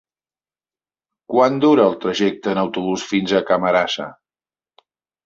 Quant dura el trajecte en autobús fins a Camarasa?